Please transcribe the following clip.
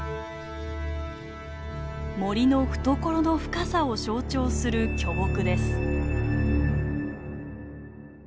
森の懐の深さを象徴する巨木です。